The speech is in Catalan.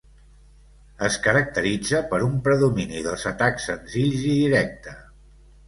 Es caracteritza per un predomini dels atacs senzills i directe.